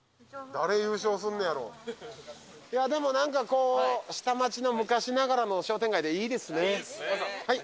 誰優勝すんのやろでも下町の昔ながらの商店街でいいですね